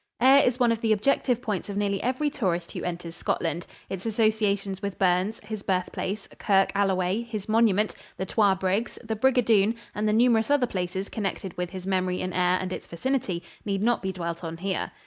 Ayr is one of the objective points of nearly every tourist who enters Scotland. Its associations with Burns, his birthplace, Kirk Alloway, his monument, the "Twa Brigs," the "Brig O' Doon," and the numerous other places connected with his memory in Ayr and its vicinity, need not be dwelt on here.